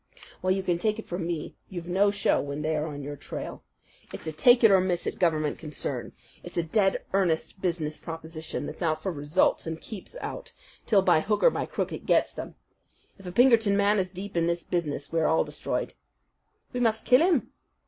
"Well, you can take it from me you've no show when they are on your trail. It's not a take it or miss it government concern. It's a dead earnest business proposition that's out for results and keeps out till by hook or crook it gets them. If a Pinkerton man is deep in this business, we are all destroyed." "We must kill him."